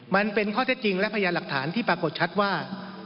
มันเป็นข้อเท็จจริงและพยานหลักฐานที่ปรากฏชัดว่า